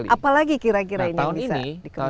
apalagi kira kira ini bisa dikembangkan